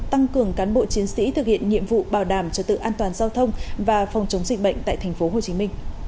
các cán bộ chiến sĩ thực hiện nhiệm vụ bảo đảm cho tự an toàn giao thông và phòng chống dịch bệnh tại tp hcm